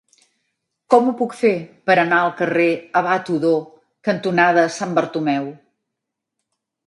Com ho puc fer per anar al carrer Abat Odó cantonada Sant Bartomeu?